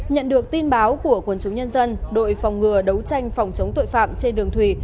nhận được tin báo của quân chúng nhân dân đội phòng ngừa đấu tranh phòng chống tội phạm trên đường thủy